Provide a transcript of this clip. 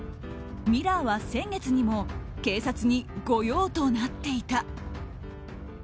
ミラーは先月にも警察に御用となっていた。